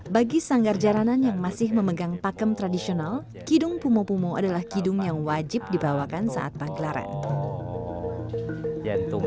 bagi sanggar jaranan yang masih memegang pakem tradisional kidung pumo pumo adalah kidung yang wajib dibawakan saat pagelaran